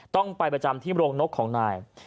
ต้องไปประจำที่โรงนกของนาย